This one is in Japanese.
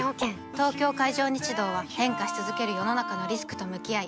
東京海上日動は変化し続ける世の中のリスクと向き合い